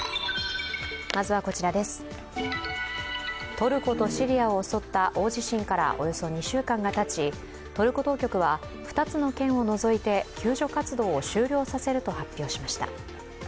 トルコとシリアを襲った大地震からおよそ２週間がたち、トルコ当局は２つの県を除いて、救助活動を終了させると発表しました。